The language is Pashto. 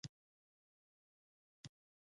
د اکسیجن د ضرورت په اساس بکټریاوې ویشل شوې.